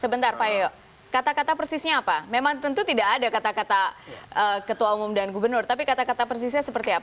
sebentar pak yoyo kata kata persisnya apa memang tentu tidak ada kata kata ketua umum dan gubernur tapi kata kata persisnya seperti apa